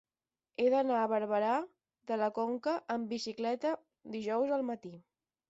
He d'anar a Barberà de la Conca amb bicicleta dijous al matí.